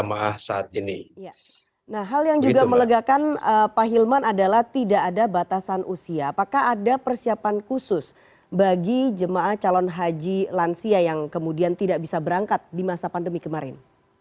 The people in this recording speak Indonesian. nah hal yang juga melegakan pak hilman adalah tidak ada batasan usia apakah ada persiapan khusus bagi jemaah calon haji lansia yang kemudian tidak bisa berangkat di masa pandemi kemarin